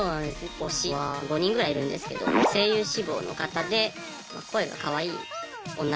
推しは５人ぐらいいるんですけど声優志望の方で声がかわいい女の人。